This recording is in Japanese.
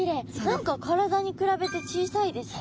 何か体に比べて小さいですね。